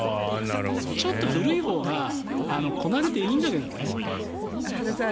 ちょっと古いほうがこなれていいんだけどね。